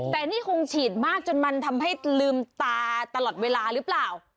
แต่นี่คงฉีดมากจนมันทำให้ลืมตาตลอดเวลาหรือเปล่า